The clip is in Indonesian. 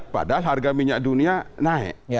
padahal harga minyak dunia naik